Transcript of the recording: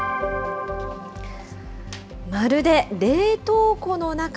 まるで冷凍庫の中。